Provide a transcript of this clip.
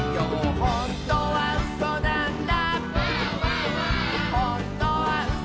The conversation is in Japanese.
「ほんとにうそなんだ」